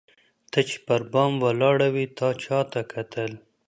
ته چي پر بام ولاړه وې تا چاته کتل؟